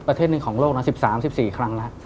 ประเทศหนึ่งของโลกนะ๑๓๑๔ครั้งแล้ว